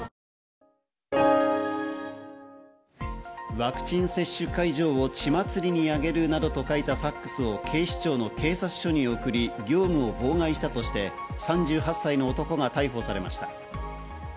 ワクチン接種会場を血祭りにあげるなどと書いたファックスを警視庁の警察署に送り、業務を妨害したとして３８歳の男が逮捕されました。